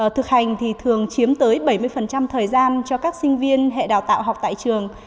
thực hành thì thường chiếm tới bảy mươi thời gian cho các sinh viên hệ đào tạo học tại trường